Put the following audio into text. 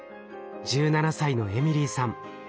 １７歳のエミリーさん